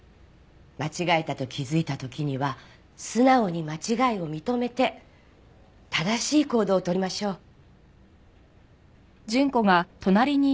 間違えたと気づいた時には素直に間違いを認めて正しい行動をとりましょう。